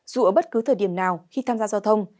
dù ở bất cứ thời điểm nào khi tham gia giao thông